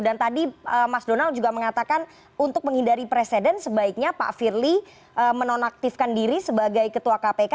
dan tadi mas donald juga mengatakan untuk menghindari presiden sebaiknya pak firly menonaktifkan diri sebagai ketua kpk